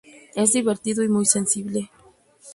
Es divertido y muy sensible.